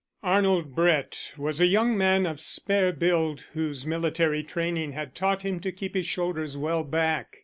Arnold Brett was a young man of spare build whose military training had taught him to keep his shoulders well back.